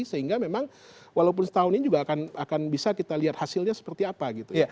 sehingga memang walaupun setahun ini juga akan bisa kita lihat hasilnya seperti apa gitu ya